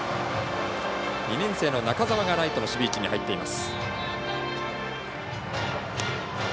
２年生の中沢がライトの守備位置に入っています。